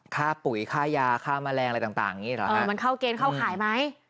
ปุ๋ยค่ายาค่าแมลงอะไรต่างอย่างนี้เหรอเออมันเข้าเกณฑ์เข้าขายไหม